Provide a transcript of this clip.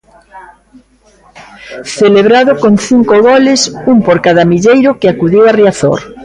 Celebrado con cinco goles, un por cada milleiro que acudiu a Riazor.